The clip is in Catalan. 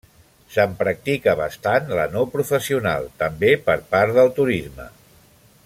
Se'n practica bastant la no professional, també per part del turisme.